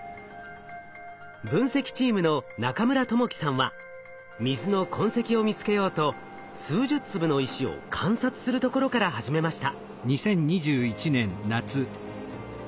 分析チームの中村智樹さんは水の痕跡を見つけようと数十粒の石を観察するところから始めました。